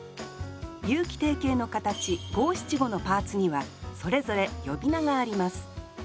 有季定型の形五・七・五のパーツにはそれぞれ呼び名があります